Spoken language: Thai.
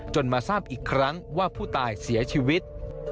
มาทราบอีกครั้งว่าผู้ตายเสียชีวิต